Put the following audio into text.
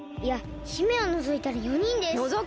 いや姫をのぞいたら４人です。